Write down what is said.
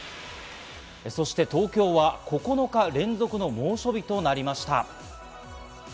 そして東京は９日連続の猛暑日となりました。